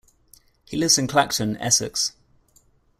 He lives in Clacton, Essex.